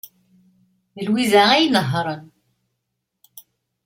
D Lwiza ay inehhṛen.